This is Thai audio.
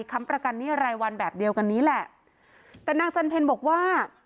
ค้ำประกันหนี้รายวันแบบเดียวกันนี้แหละแต่นางจันเพลบอกว่า